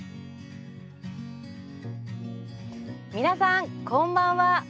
皆さん、こんばんは。